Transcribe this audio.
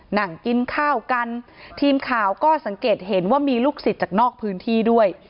นั่งกินข้าวกันทีมข่าวก็สังเกตเห็นว่ามีลูกศิษย์จากนอกพื้นที่ด้วย